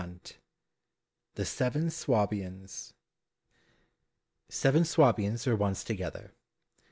119 The Seven Swabians Seven Swabians were once together.